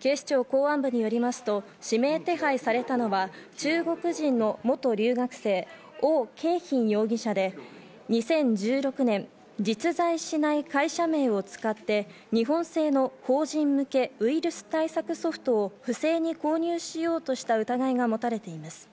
警視庁公安部によりますと、指名手配されたのは中国人の元留学生、オウ・ケンヒン容疑者で２０１６年、実在しない会社名を使って日本製の法人向けウイルス対策ソフトを不正に購入しようとした疑いが持たれています。